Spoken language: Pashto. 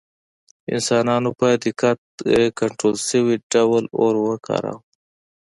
انسانانو په دقت کنټرول شوي ډول اور وکاراوه.